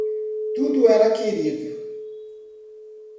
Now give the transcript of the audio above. Tudo era querido.